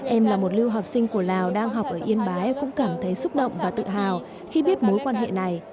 em là một lưu học sinh của lào đang học ở yên bái cũng cảm thấy xúc động và tự hào khi biết mối quan hệ này